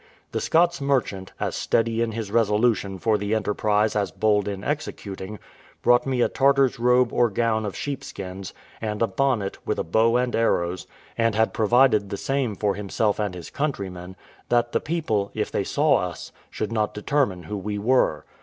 The Scots merchant, as steady in his resolution for the enterprise as bold in executing, brought me a Tartar's robe or gown of sheepskins, and a bonnet, with a bow and arrows, and had provided the same for himself and his countryman, that the people, if they saw us, should not determine who we were.